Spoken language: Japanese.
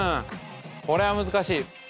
これは難しい。